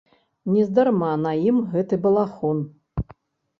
Нездарма на ім гэты балахон.